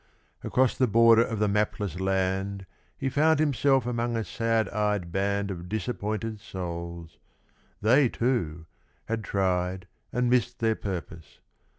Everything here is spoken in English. Across the border of the mapless land He found himself among a sad eyed band Of disappointed souls; they, too, had tried And missed their purpose.